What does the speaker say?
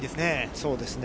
そうですね。